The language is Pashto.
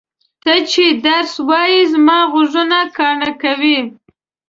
ته چې درس وایې زما غوږونه کاڼه کوې!